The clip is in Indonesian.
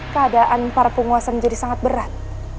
keadaan para penguasa menjadi sangat berat